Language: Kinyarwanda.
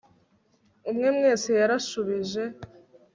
umwe wese yarashubije